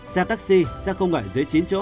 xe taxi xe công nghệ dưới chín chỗ